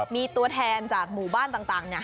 มีตัวแทนจากหมู่บ้านต่าง